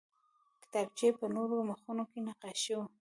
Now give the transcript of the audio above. د کتابچې په نورو مخونو کې نقاشي وه